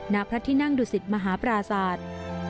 ณพระที่นั่งดุสิตมหาปราศาสตร์